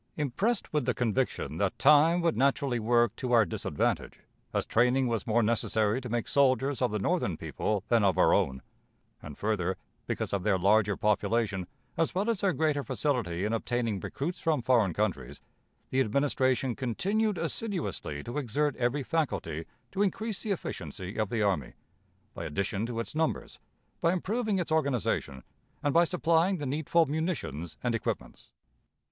Impressed with the conviction that time would naturally work to our disadvantage, as training was more necessary to make soldiers of the Northern people than of our own; and further, because of their larger population, as well as their greater facility in obtaining recruits from foreign countries, the Administration continued assiduously to exert every faculty to increase the efficiency of the army by addition to its numbers, by improving its organization, and by supplying the needful munitions and equipments.